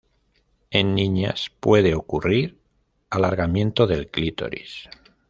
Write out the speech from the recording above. En niñas puede ocurrir alargamiento del clítoris.